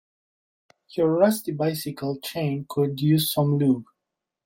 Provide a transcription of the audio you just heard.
Your rusty bicycle chain could use some lube.